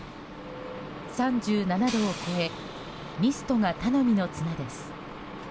３７度を超えミストが頼みの綱です。